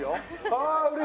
ああ。